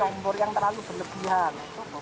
ya jangan terlalu berlebihan